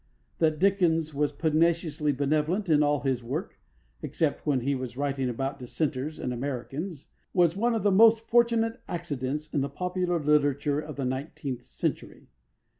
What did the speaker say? That Dickens was pugnaciously benevolent in all his work except when he was writing about Dissenters and Americans was one of the most fortunate accidents in the popular literature of the nineteenth century.